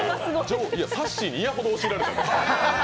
さっしーに嫌ほど教えられたんです。